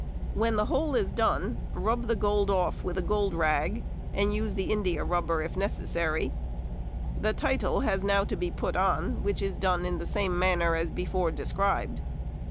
When the whole is done, rub the gold off with the gold rag, and use the india rubber if necessary. The title has now to be put on, which is done in the same manner as before described.